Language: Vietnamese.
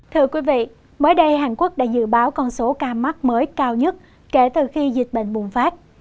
thưa quý vị mới đây hàn quốc đã dự báo con số ca mắc mới cao nhất kể từ khi dịch bệnh bùng phát